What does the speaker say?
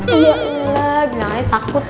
iya nari takut